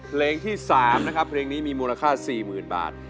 เพลงที่๓นะครับเพลงนี้มีมูลค่า๔๐๐๐บาท